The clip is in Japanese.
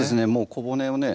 小骨をね